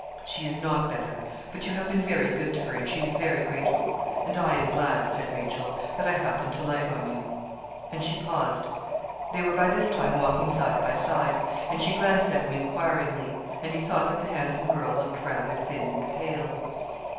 'She is not better; but you have been very good to her, and she is very grateful; and I am glad,' said Rachel, 'that I happened to light on you.' And she paused. They were by this time walking side by side; and she glanced at him enquiringly; and he thought that the handsome girl looked rather thin and pale.